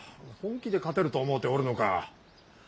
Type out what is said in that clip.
本気で勝てると思うておるのか。